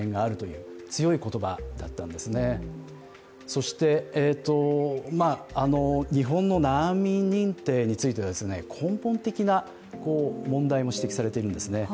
そして、日本の難民認定について根本的な問題も指摘されているんですね。